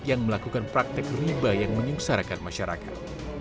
yang melakukan praktek riba yang menyungsarakan masyarakat